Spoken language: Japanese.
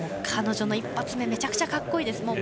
彼女の一発目めちゃくちゃ格好いいです。